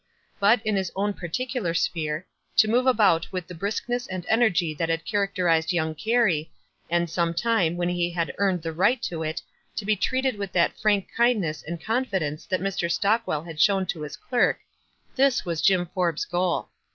But, in his own particular sphere, to move about with the briskness and energy that had characterized young Carey, and some time, when he had earned the right to it, to be treated with that frank kindness and confidence that Mr. Stockwcll had shown to his clerk —■ this was Jim Forbes' goal.